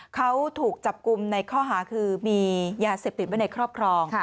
เขาถูกจับกลุ่มในข้อหาคือมียาเสพติดไว้ในครอบครอง